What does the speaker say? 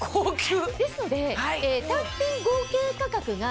ですので。